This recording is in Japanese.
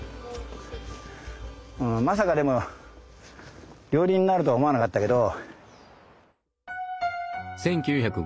まさかでも料理人になるとは思わなかったけど。